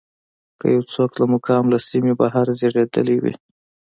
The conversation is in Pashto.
که یو څوک له مقام له سیمې بهر زېږېدلی وي.